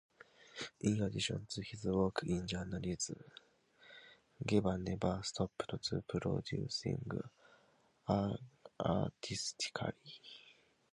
In addition to his work in journalism, Geva never stopped producing artistically.